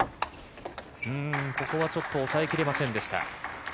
ここはちょっと抑えきれませんでした。